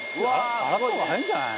「洗った方が早いんじゃない？」